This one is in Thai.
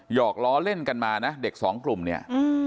อกล้อเล่นกันมานะเด็กสองกลุ่มเนี่ย